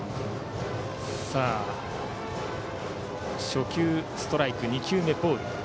初球、ストライク２球目、ボール。